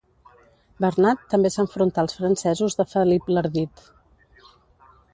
Bernat també s'enfrontà als francesos de Felip l'Ardit.